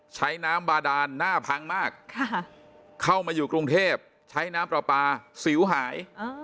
ใช้น้ำบาดานหน้าพังมากเข้ามาอยู่กรุงเทพใช้น้ำปลาปลาสิวหาย